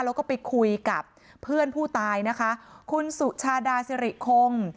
แล้วก็ไปคุยกับเพื่อนผู้ตายนะคะคุณสุชาดาสิริคง